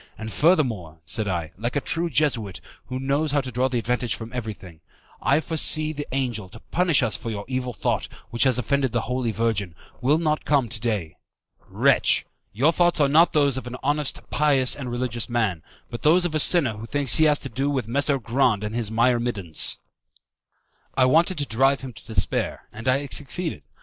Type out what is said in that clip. And, furthermore," said I, like a true Jesuit, who knows how to draw advantage from everything, "I foresee that the angel, to punish us for your evil thought, which has offended the Holy Virgin, will not come to day. Wretch, your thoughts are not those of an honest, pious, and religious man, but those of a sinner who thinks he has to do with Messer Grande and his myrmidons." I wanted to drive him to despair, and I had succeeded.